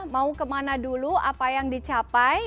mau kemana dulu apa yang dicapai